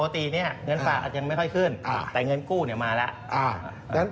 ปกติเงินฟากยังไม่ค่อยขึ้นแต่เงินกู้มาแล้ว